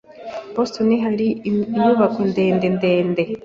Boston hari inyubako ndende ndende?